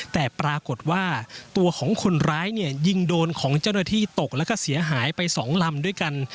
แต่ปรากฏว่าตัวของคนร้ายเนี่ยยิงโดนของเจ้าหน้าที่ตกแล้วก็เสียหายไป๒ลำด้วยกัน